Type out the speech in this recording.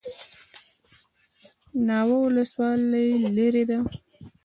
ناوه ولسوالۍ لیرې ده؟